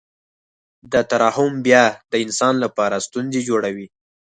دا ترحم بیا د انسان لپاره ستونزې جوړوي